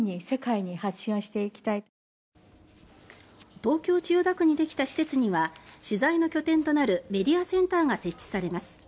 東京・千代田区にできた施設には取材の拠点となるメディアセンターが設置されます。